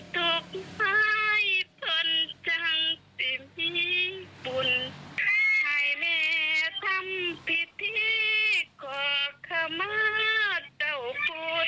ถูกไห้ทนจังที่มีบุญให้แม่ทำผิดที่ขอข้ามาต่อภูธรรม